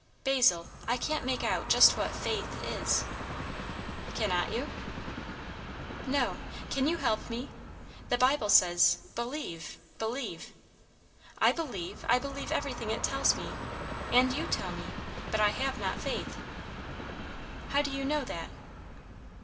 "Basil, I can't make out just what faith is." "Cannot you?" "No. Can you help me? The Bible says, 'believe,' 'believe.' I believe. I believe everything it tells me, and you tell me; but I have not faith." "How do you know that?"